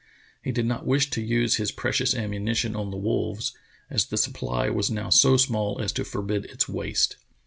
He did not wish to use his pre cious ammunition on the wolves, as the supply was now so small as to forbid its waste.